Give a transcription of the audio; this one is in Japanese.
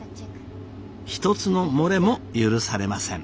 一つの漏れも許されません。